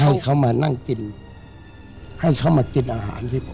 ให้เขามานั่งกินให้เขามากินอาหารที่ผม